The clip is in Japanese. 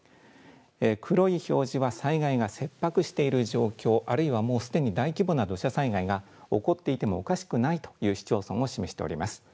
黒い表示は災害が切迫している状況、あるいはもうすでに大規模な土砂災害が起こっていてもおかしくないという市町村を示しています。